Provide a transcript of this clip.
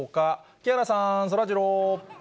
木原さん、そらジロー。